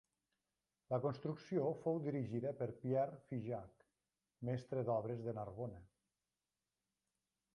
La construcció fou dirigida per Pierre Figeac, mestre d'obres de Narbona.